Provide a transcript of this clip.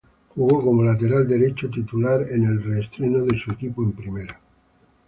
Jugó como lateral derecho titular en el re-estreno de su equipo en Primera.